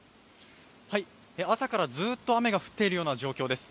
朝からずっと雨が降っているような状況です。